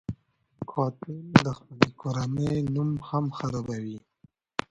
قاتل د خپلې کورنۍ نوم هم خرابوي